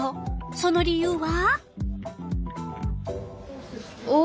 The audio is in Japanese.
その理由は？